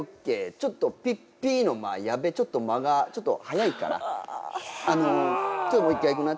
ちょっとピッピの間矢部ちょっと間がちょっと早いからちょっともう一回いきます。